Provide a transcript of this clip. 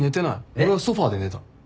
俺はソファで寝た。